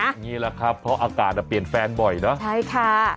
อย่างนี้แหละครับเพราะอากาศอ่ะเปลี่ยนแฟนบ่อยเนอะใช่ค่ะ